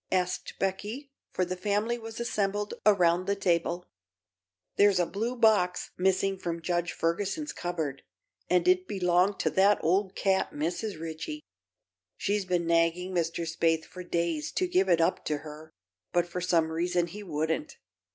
asked Becky, for the family was assembled around the table. "There's a blue box missing from Judge Ferguson's cupboard, and it belonged to that old cat, Mrs. Ritchie. She's been nagging Mr. Spaythe for days to give it up to her, but for some reason he wouldn't.